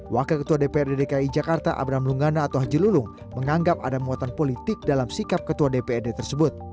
wakil ketua dprd dki jakarta abraham lunggana atau haji lulung menganggap ada muatan politik dalam sikap ketua dprd tersebut